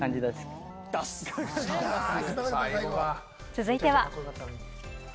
続いては。